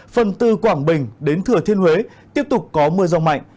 phần từ quảng bình đến thừa thiên huế tiếp tục có mưa rông mạnh